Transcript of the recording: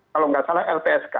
kalau tidak salah lpsk